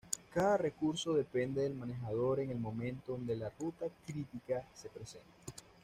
Cada recurso depende del manejador en el momento donde la ruta crítica se presente.